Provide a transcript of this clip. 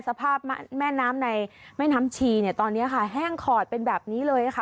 สภาพแม่น้ำในแม่น้ำชีเนี่ยตอนนี้ค่ะแห้งขอดเป็นแบบนี้เลยค่ะ